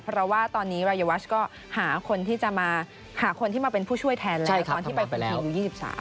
เพราะว่าตอนนี้รายวัชก็หาคนที่จะมาหาคนที่มาเป็นผู้ช่วยแทนแล้วในตอนที่ไปคุมทีมอยู่๒๓